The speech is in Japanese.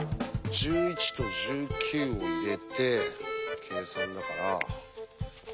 １１と１９を入れて計算だから。